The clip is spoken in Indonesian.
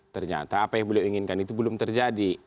ternyata apa yang beliau inginkan itu belum terjadi